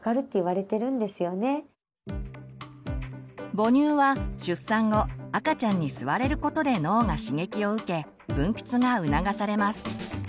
母乳は出産後赤ちゃんに吸われることで脳が刺激を受け分泌が促されます。